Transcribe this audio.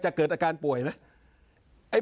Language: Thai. เกิดอาการป่วยไหม